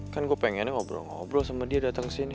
kan gua pengennya ngobrol ngobrol sama dia dateng sini